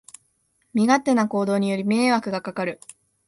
身勝手な行動により迷惑がかかる